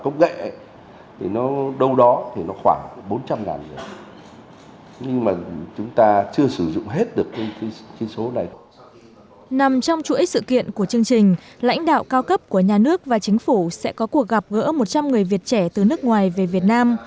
nằm trong chuỗi sự kiện của chương trình lãnh đạo cao cấp của nhà nước và chính phủ sẽ có cuộc gặp gỡ một trăm linh người việt trẻ từ nước ngoài về việt nam